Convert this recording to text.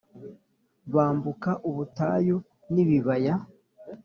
'bambuka ubutayu n'ibibaya